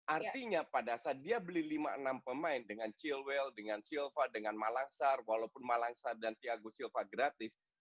artinya pada saat dia beli lima enam pemain dengan chilwell dengan silva dengan malangsar walaupun malangsar dan tiago silva gratis